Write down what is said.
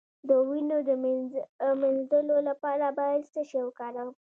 د وینې د مینځلو لپاره باید څه شی وکاروم؟